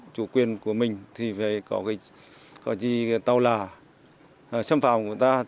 chủ quyền của mình có gì tàu là xâm phạm của ta